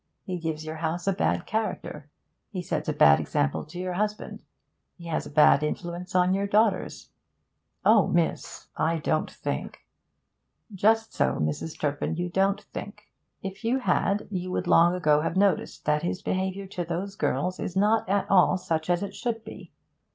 He gives your house a bad character; he sets a bad example to your husband; he has a bad influence on your daughters.' 'Oh! miss, I don't think' 'Just so, Mrs. Turpin; you don't think. If you had, you would long ago have noticed that his behaviour to those girls is not at all such as it should be.